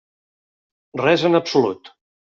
Res en absolut.